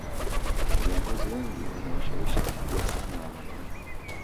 viongozi wengi wana ushawishi mkubwa sana wa maneno